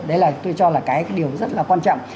đấy là tôi cho là cái điều rất là quan trọng